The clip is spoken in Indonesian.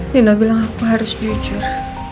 lina bilang aku harus jujur